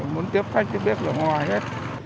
muốn tiếp khách thì biết là ngoài hết